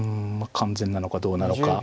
完全なのかどうなのか。